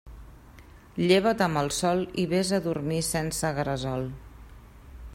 Lleva't amb el sol i vés a dormir sense gresol.